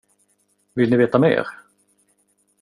Vill ni veta mer?